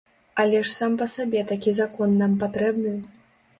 Але ж сам па сабе такі закон нам патрэбны?